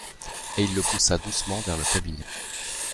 Et il le poussa doucement vers le cabinet.